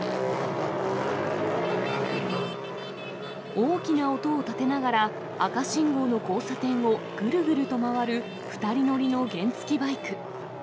大きな音を立てながら、赤信号の交差点をぐるぐると回る２人乗りの原付きバイク。